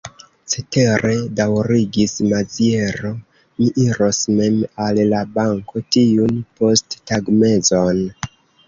Cetere, daŭrigis Maziero, mi iros mem al la banko tiun posttagmezon.